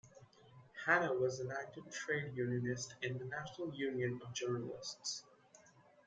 Hanna was an active trade unionist in the National Union of Journalists.